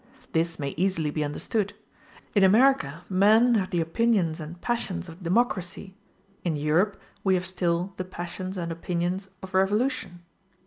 This may easily be understood: in America men have the opinions and passions of democracy, in Europe we have still the passions and opinions of revolution.